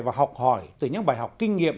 và học hỏi từ những bài học kinh nghiệm